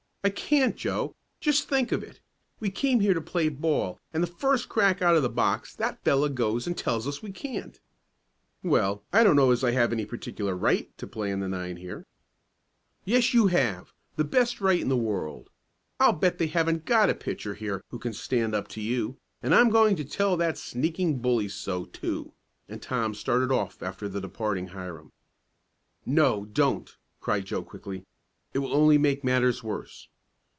"I can't Joe. Just think of it! We came here to play ball, and the first crack out of the box that fellow goes and tells us we can't." "Well, I don't know as I have any particular right to play on the nine here." "Yes, you have, the best right in the world! I'll bet they haven't got a pitcher here who can stand up to you, and I'm going to tell that sneaking bully so, too," and Tom started off after the departing Hiram. "No, don't!" cried Joe quickly. "It will only make matters worse."